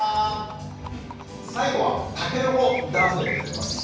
最後はタケノコダンスでございます。